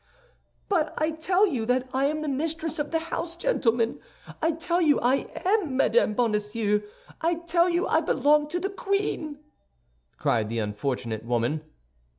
"But I tell you that I am the mistress of the house, gentlemen! I tell you I am Madame Bonacieux; I tell you I belong to the queen!" cried the unfortunate woman.